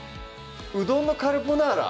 ⁉うどんのカルボナーラ？